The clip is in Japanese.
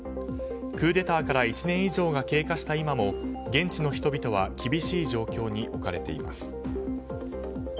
クーデターから１年以上が経過した今も現地の人々は厳しい状況に置かれています。